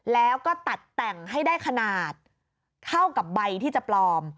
แล้วก็ตัดแต่งให้ได้ขนาดเท่ากับใบที่จะปลอม